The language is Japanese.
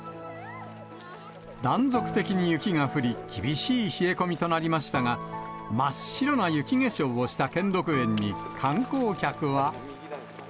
断続的に雪が降り、厳しい冷え込みとなりましたが、真っ白な雪化粧をした兼六園に観光客は。